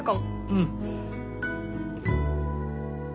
うん！